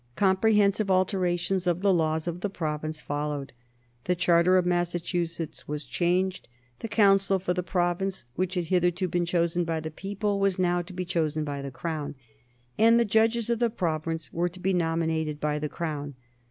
Comprehensive alterations of the laws of the province followed. The charter of Massachusetts was changed. The council for the province, which had hitherto been chosen by the people, was now to be chosen by the Crown, and the judges of the province were to be nominated by the Crown.